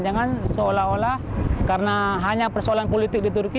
jangan seolah olah karena hanya persoalan politik di turki